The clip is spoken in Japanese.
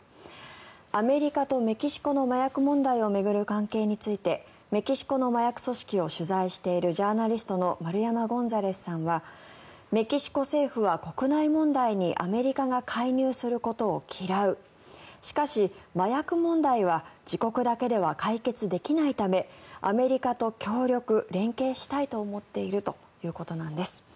アメリカとメキシコの麻薬問題を巡る関係についてメキシコの麻薬組織を取材しているジャーナリストの丸山ゴンザレスさんはメキシコ政府は国内問題にアメリカが介入することを嫌うしかし、麻薬問題は自国だけでは解決できないためアメリカと協力・連携したいと思っているということなんです。